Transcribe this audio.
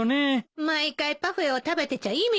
毎回パフェを食べてちゃ意味ないわよ。